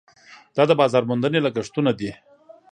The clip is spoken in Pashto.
دا د بازار موندنې لګښټونه دي.